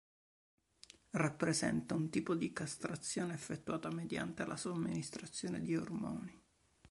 Rappresenta un tipo di castrazione effettuata mediante la somministrazione di ormoni.